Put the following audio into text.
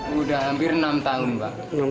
udah hampir enam tahun pak